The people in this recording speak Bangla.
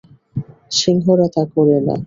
সিংহরা তা করে না।